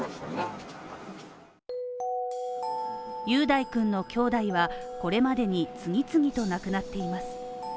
雄大君のきょうだいは、これまでに次々と亡くなっています。